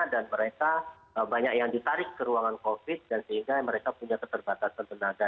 dan mereka banyak yang ditarik ke ruangan covid dan sehingga mereka punya keterbatasan tenaga